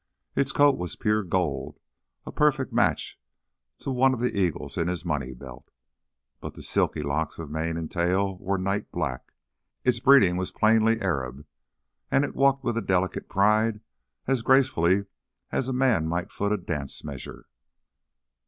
Its coat was pure gold, a perfect match to one of the eagles in his money belt. But the silky locks of mane and tail were night black. Its breeding was plainly Arab, and it walked with a delicate pride as gracefully as a man might foot a dance measure.